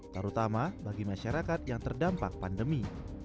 terutama bagi masyarakat yang terdampak pandemi